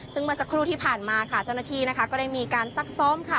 ซึ่งเมื่อสักครู่ที่ผ่านมาจ้อนาทีก็ได้มีการซักซ่อม